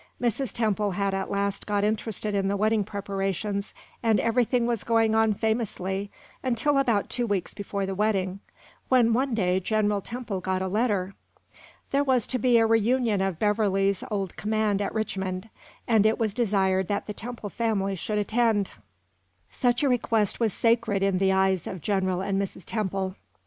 Mrs. Temple had at last got interested in the wedding preparations, and everything was going on famously until about two weeks before the wedding, when one day General Temple got a letter. There was to be a reunion of Beverley's old command at Richmond, and it was desired that the Temple family should attend. Such a request was sacred in the eyes of General and Mrs. Temple.